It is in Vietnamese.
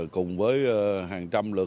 cùng với hàng trăm lượt